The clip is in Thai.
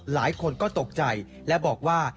หลายคนก็ตกใจและบอกว่า